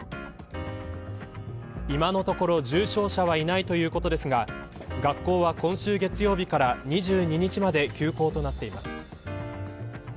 今のところ重症者はいないということですが学校は今週月曜日から２２日まで休校となっています。